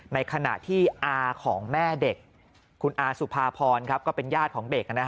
ในขณะที่อาของแม่เด็กคุณอาสุภาพรก็เป็นญาติของเด็ก